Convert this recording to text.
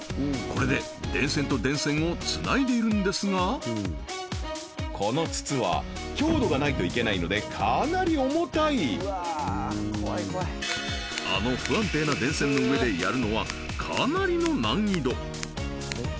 これで電線と電線をつないでいるんですがこの筒は強度がないといけないのでかなり重たいあの不安定な電線の上でやるのはかなりの難易度